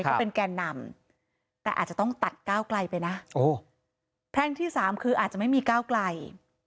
เขาเป็นแก่นำแต่อาจจะต้องตัดก้าวไกลไปนะแพร่งที่สามคืออาจจะไม่มีก้าวไกล